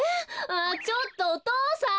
ああちょっとお父さん！